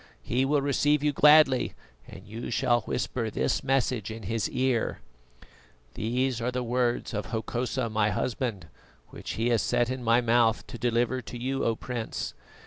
He will receive you gladly, and you shall whisper this message in his ear: "'These are the words of Hokosa, my husband, which he has set in my mouth to deliver to you, O Prince.